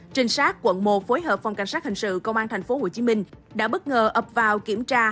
trình sát quận một phối hợp phòng cảnh sát hình sự công an tp hcm đã bất ngờ ập vào kiểm tra